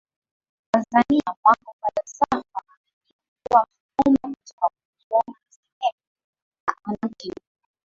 Tanzania MwanaFalsafa mara nyingi hupewa msukumo kutoka kwa kusoma na sinema na ana mtindo